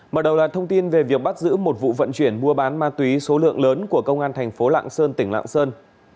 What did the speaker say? mở đầu là thông tin về việc bắt giữ một vụ vận chuyển mua bán ma túy số lượng lớn của công an thành phố lạng sơn tỉnh lạng sơn